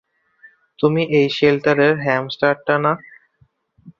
তুমি ওই শেল্টারের হ্যামস্টারটা না?